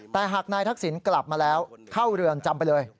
แต่หากนายทักษิณกลับมาแล้วเข้าเรือนจำไปเลย